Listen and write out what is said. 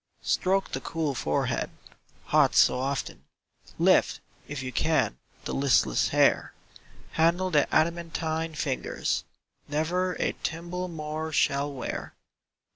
Stroke the cool forehead, hot so often, Lift, if you can, the listless hair; Handle the adamantine fingers Never a thimble more shall wear.